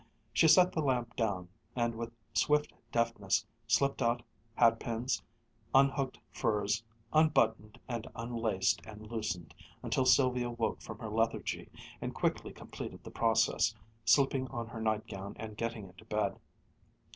She set the lamp down, and with swift deftness slipped out hatpins, unhooked furs, unbuttoned and unlaced and loosened, until Sylvia woke from her lethargy and quickly completed the process, slipping on her nightgown and getting into bed.